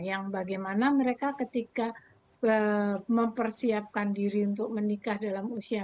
yang bagaimana mereka ketika mempersiapkan diri untuk menikah dalam usia